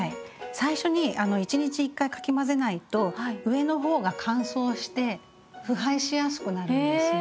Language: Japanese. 最初に１日１回かき混ぜないと上の方が乾燥して腐敗しやすくなるんですね。